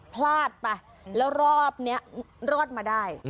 พลาดไปแล้วรอบนี้รอดมาได้